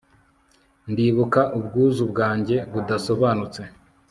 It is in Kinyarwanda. Ndibuka ubwuzu bwanjye budasobanutse